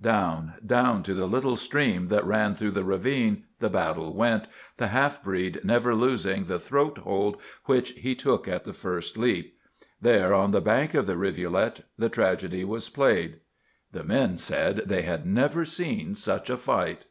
Down, down to the little stream that ran through the ravine the battle went, the half breed never losing the throat hold which he took at the first leap. There, on the bank of the rivulet, the tragedy was played. The men said they had never seen such a fight.